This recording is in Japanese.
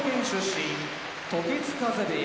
時津風部屋